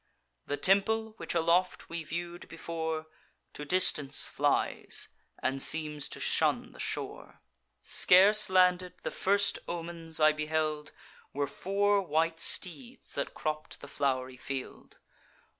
The temple, which aloft we view'd before, To distance flies, and seems to shun the shore. Scarce landed, the first omens I beheld Were four white steeds that cropp'd the flow'ry field.